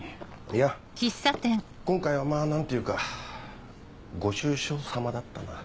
いや今回はまぁ何ていうかご愁傷さまだったな。